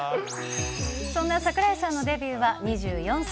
そんな桜井さんのデビューは２４歳。